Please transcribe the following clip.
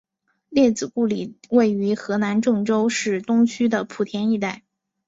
列子故里位于河南郑州市东区的圃田一带。